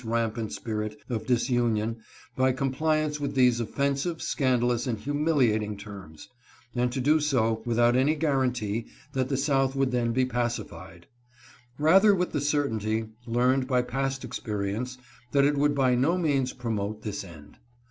rampant spirit of disunion by compliance with these offensive, scandalous, and humiliating terms, and to do so without any guarantee that the South would then be pacified ; rather with the certainty, learned by past expe rience, that it would by no means promote this end.